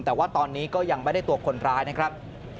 แต่ว่าตอนนี้ก็ยังไม่ได้ตัวคนร้ายนะครับ